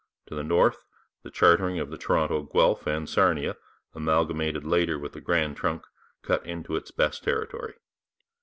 To the north, the chartering of the Toronto, Guelph and Sarnia, amalgamated later with the Grand Trunk, cut into its best territory.